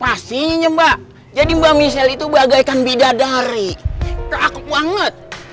pastinya mbak jadi mbak michelle itu bagaikan bidadari takut banget